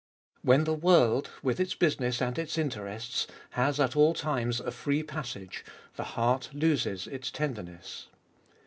When the world, with its business and its interests, has at all times a free passage, the heart loses its tenderness.